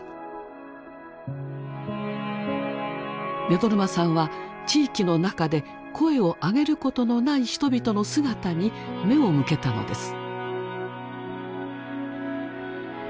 目取真さんは地域の中で声を上げることのない人々の姿に目を向けたのです。